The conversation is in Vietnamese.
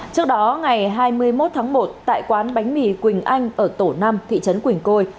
trước đó ngày hai mươi một tháng một tại quán bánh mì quỳnh anh ở tổ năm thị trấn quỳnh côi